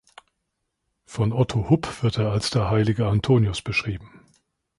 Von Otto Hupp wird er als der Heilige Antonius beschrieben.